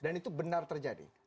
dan itu benar terjadi